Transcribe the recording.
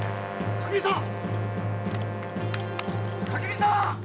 垣見さん！